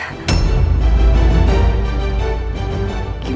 apa elsa sudah berubah